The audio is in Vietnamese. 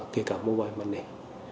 kể cả mobile money